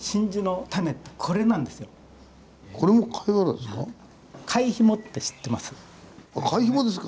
これも貝殻ですか？